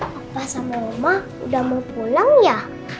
papa sama udah mau pulang ya